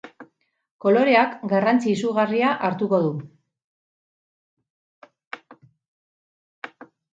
Koloreak garrantzi izugarria hartuko du.